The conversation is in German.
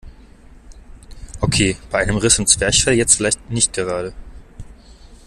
Okay, bei einem Riss im Zwerchfell jetzt vielleicht nicht gerade.